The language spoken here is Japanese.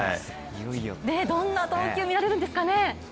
どんな投球、見られるんですかね。